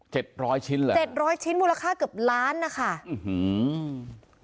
ร้อยชิ้นเลยเจ็ดร้อยชิ้นมูลค่าเกือบล้านนะคะอื้อหือ